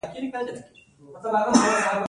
له کومې ستونزې ورسېدله.